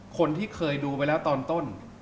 คนที่เคยดูไปแล้วตอนต้น